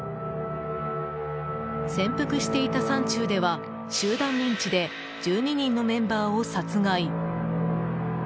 潜伏していた山中では集団リンチで１２人のメンバーを殺害。